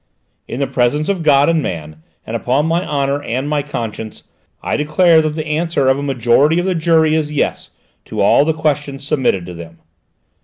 "In the presence of God and man, and upon my honour and my conscience, I declare that the answer of a majority of the jury is 'yes' to all the questions submitted to them."